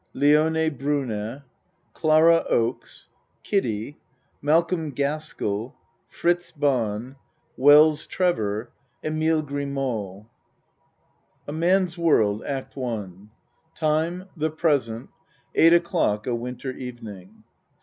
LIONE BRUNE. CLARA OAKES. KIDDIE. MALCOLM GASKELL. FRITZ BAHN. WELLS TREVOR. EMILE GRIMEAUX. A MAN'S WORLD ACT I Time The present Eight o'clock a winter even ing.